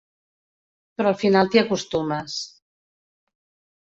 Però al final t'hi acostumes.